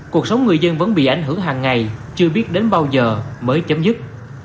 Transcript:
cuộc sống người dân vẫn bị ảnh hưởng hàng ngày chưa biết đến bao giờ mới chấm dứt